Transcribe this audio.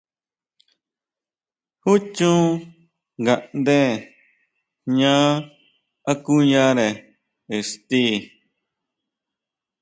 ¿Júchon ngaʼnde jña akuyare ixti?